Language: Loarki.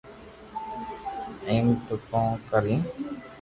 ايم ٿي ڪون ڪريو